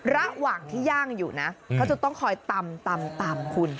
ระหว่างที่ย่างอยู่นะเขาจะต้องคอยตำคุณ